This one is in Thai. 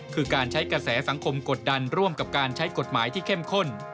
คือการใช้กระแสสังคมกดดันร่วมกับการใช้กฎหมายที่เข้มข้น